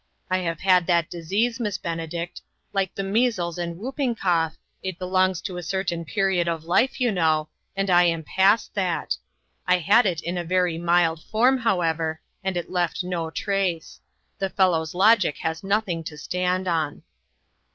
I have had that disease, Miss Benedict ; like the measles and whooping cough, it belongs to a certain period of life, you know, and I am past that. I had it in a very mild form, however, and it left no trace. The fellow's logic has nothing to stand on."